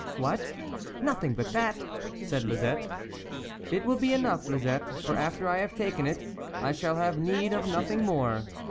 " What, nothing but that !" said Lis ette. " It will be enough, Lisette ; for after I have taken it, I shall have need of noth ing more."